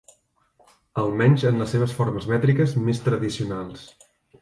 Almenys en les seves formes mètriques més tradicionals.